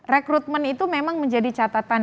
rekrutmen itu memang menjadi catatan